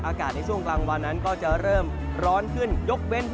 อากาศในช่วงกลางวันนั้นก็จะเริ่มร้อนขึ้นยกเว้น